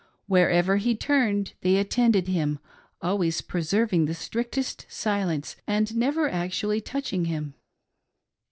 Wherever he turned they attended him, always preserv ing the strictest silence, and never actually touching him.